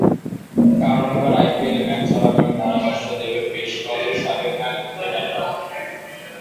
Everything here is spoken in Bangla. কারণ এবার আইপিএলে ম্যাচ চলাকালীন ধারাভাষ্য দেবেন বেশ কজন সাবেক নারী ক্রিকেটাররাও।